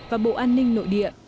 và bộ an ninh nội địa